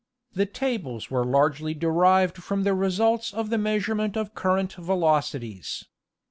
The tables were largely derived from the results of the measurement of current velocities.